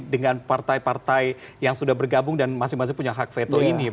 dengan partai partai yang sudah bergabung dan masing masing punya hak veto ini